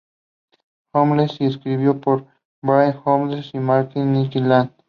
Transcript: Holmes, y escrito por Brian Holden y Matt y Nick Lang.